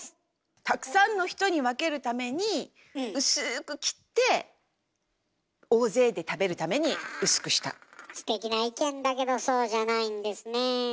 たくさんの人に分けるために薄く切ってステキな意見だけどそうじゃないんですね。